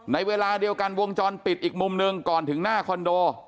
เวลาเดียวกันวงจรปิดอีกมุมหนึ่งก่อนถึงหน้าคอนโด